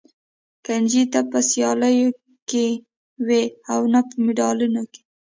کنجي نه په سیالیو کې وي او نه په مډالونه کې.